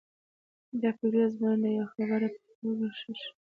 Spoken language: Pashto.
دا فکري ازموینه یوه خبره په ښه توګه ښيي.